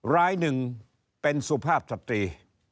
รายหนึ่งเป็นสุภาพสตรี